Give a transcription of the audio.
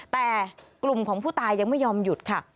แต่กลุ่มของผู้ตายยังไม่ยอมหยุดค่ะ